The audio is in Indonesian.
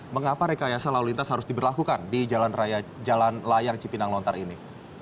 mengapa rekayasa lalu lintas harus diberlakukan di jalan layang cipinang lontar ini